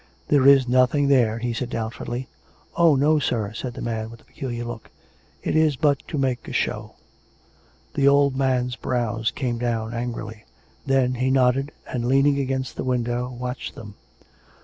" There is nothing there !" he said doubtfully. *" Oh, no, sir," said the man with a peculiar look. " It is but to make a show " The old man's brows came down angrily. Then he nodded; and, leaning against the window, watched them.